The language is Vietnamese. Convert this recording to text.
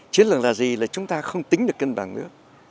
chiến lược là gì là chúng ta không tính được cân bằng nữa